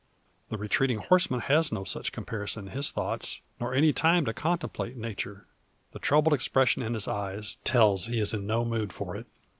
The retreating horseman has no such comparison in his thoughts, nor any time to contemplate Nature. The troubled expression in his eyes, tells he is in no mood for it.